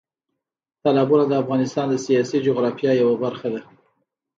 تالابونه د افغانستان د سیاسي جغرافیه یوه برخه ده.